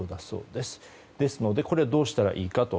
ですのでどうしたらいいかと。